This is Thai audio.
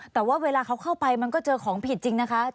แต่ว่าเวลาเขาเข้าไปมันก็เจอของผิดจริงนะคะ